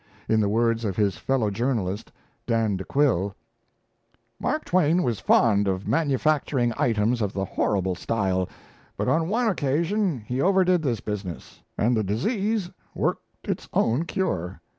In the words of his fellow journalist, Dan De Quille: Mark Twain was fond of manufacturing items of the horrible style, but on one occasion he overdid this business, and the disease worked its own cure.